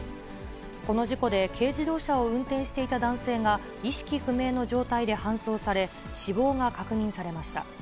この事故で軽自動車を運転していた男性が、意識不明の状態で搬送され、死亡が確認されました。